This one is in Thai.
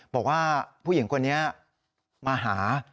บอกว่าผู้หญิงคนนี้มาหา